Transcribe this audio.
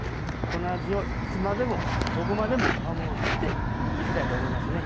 この味をいつまでも、どこまでも守っていきたいと思いますね。